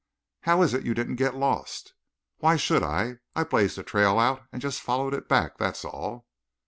"How is it you didn't get lost?" "Why should I? I blazed a trail out and just followed it back, that's all."